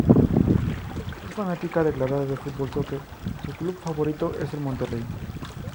Es fanática declarada del fútbol soccer, su club favorito es el Monterrey.